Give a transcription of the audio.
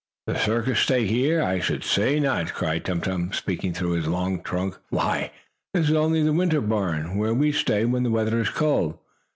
"The circus stay here? I should say not!" cried Tum Tum, speaking through his long trunk. "Why, this is only the winter barn, where we stay when the weather is cold.